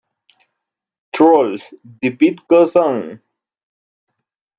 Trolls: The Beat Goes On!